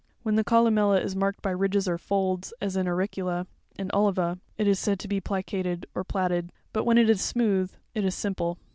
When the columella is marked by ridges or folds, as in Auricula (fig. 31) and Oliva (fig. 67), it is said to be plicated or plaited, but when it is smooth, as in jig. 116, it is simple.